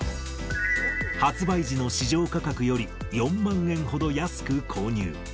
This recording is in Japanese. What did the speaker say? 発売時の市場価格より４万円ほど安く購入。